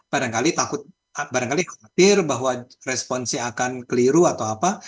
barangkali takut barangkali khawatir bahwa responsnya akan keliru atau apa